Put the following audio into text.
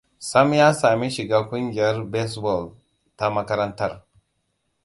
Sam ya sami shiga kungiyar bezbol ta makarantar.